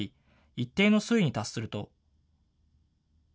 一定の水位に達すると。